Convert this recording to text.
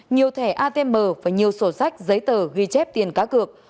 nhiều thẻ atm và nhiều sổ sách giấy tờ ghi chép tiền cá cược